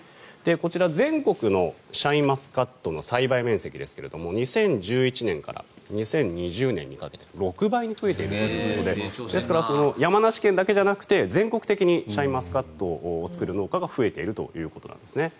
こちら、全国のシャインマスカットの栽培面積ですけれど２０１１年から２０２０年にかけて６倍に増えているということでですから、山梨県だけじゃなくて全国的にシャインマスカットを作る農家が増えているということです。